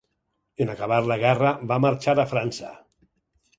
En acabar la guerra va marxar a França.